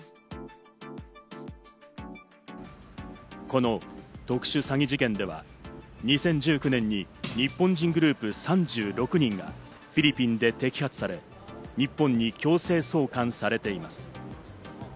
この特殊詐欺事件では２０１９年に日本人グループ３６人がフィリピンで摘発され、日本に強制送還されています。